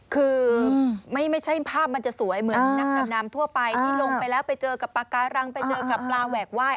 คือไม่ใช่ภาพมันจะสวยเหมือนนักดำน้ำทั่วไปที่ลงไปแล้วไปเจอกับปากการังไปเจอกับปลาแหวกไหว้